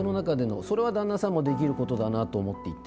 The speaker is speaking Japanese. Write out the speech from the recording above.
それは旦那さんもできることだなと思っていて。